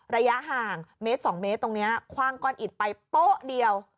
ระยะห่างเมตร๒เมตรตรงนี้คว่างก้อนอิดไปโป๊ะเดียว